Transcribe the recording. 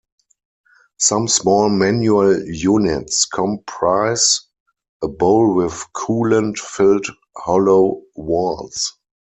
Some small manual units comprise a bowl with coolant filled hollow walls.